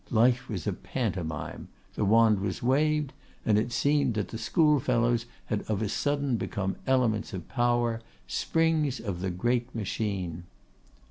Life was a pantomime; the wand was waved, and it seemed that the schoolfellows had of a sudden become elements of power, springs of the great machine.